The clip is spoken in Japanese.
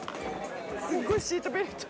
すっごいシートベルト。